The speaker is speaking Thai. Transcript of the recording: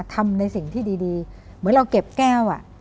ทำในสิ่งที่ดีเหมือนเราเก็บแก้ว